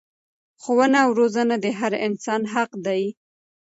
ښوونه او روزنه د هر انسان حق دی.